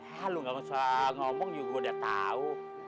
hah lo nggak usah ngomong juga gue udah tahu